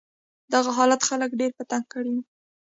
دغه حالت خلک ډېر په تنګ کړي و.